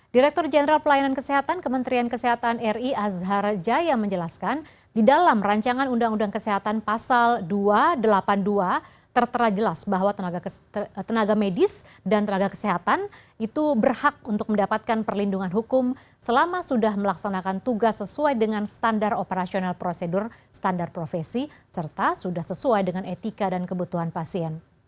direktur jenderal pelayanan kesehatan kementerian kesehatan ri azhar jaya menjelaskan di dalam rancangan undang undang kesehatan pasal dua ratus delapan puluh dua tertera jelas bahwa tenaga medis dan tenaga kesehatan itu berhak untuk mendapatkan perlindungan hukum selama sudah melaksanakan tugas sesuai dengan standar operasional prosedur standar profesi serta sudah sesuai dengan etika dan kebutuhan pasien